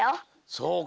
そうか。